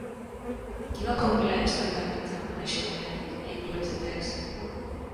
Qui va compilar i estandarditzar el coneixement mèdic en llibres de text?